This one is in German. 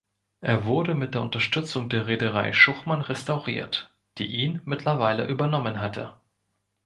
Er wurde mit der Unterstützung der Reederei Schuchmann restauriert, die ihn mittlerweile übernommen hatte.